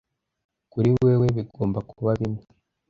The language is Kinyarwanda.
kuri wewe bigomba kuba bimwe